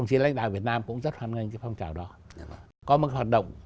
có một hoạt động